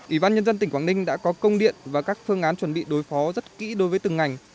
ủy ban nhân dân tỉnh quảng ninh đã có công điện và các phương án chuẩn bị đối phó rất kỹ đối với từng ngành